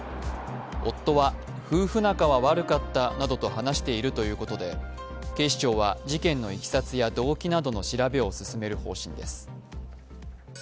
夫は夫婦仲は悪かったなどと話しているということで警視庁は事件のいきさつや動機などの調べを進める方針です。